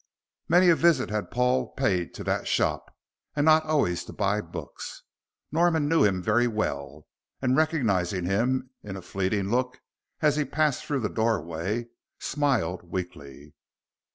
Many a visit had Paul paid to that shop, and not always to buy books. Norman knew him very well, and, recognizing him in a fleeting look as he passed through the doorway, smiled weakly.